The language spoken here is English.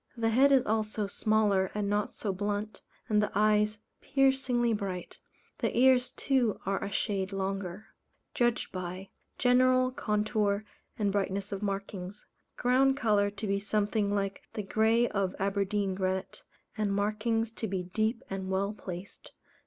The head is also smaller and not so blunt, and the eyes piercingly bright; the ears too are a shade longer. Judged by: General contour, and brightness of markings. Ground colour to be something like the grey of Aberdeen granite, and markings to be deep and well placed.